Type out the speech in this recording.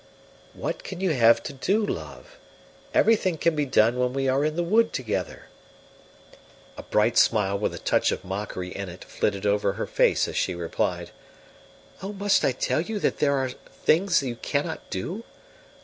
"What can you have to do, love? everything can be done when we are in the wood together." A bright smile with a touch of mockery in it flitted over her face as she replied: "Oh, must I tell you that there are things you cannot do?